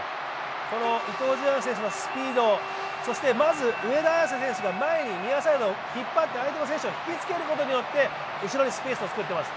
この伊藤選手のスピード、そして前にニアサイド引っ張って相手選手を引きつけることによって後ろにスペースを作っています。